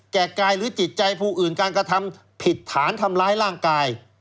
แก่กายหรือจิตใจผู้อื่นการกระทำผิดฐานทำร้ายร่างกาย